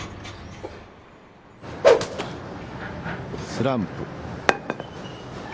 スランプ。